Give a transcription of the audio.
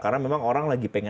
karena memang orang lagi pengen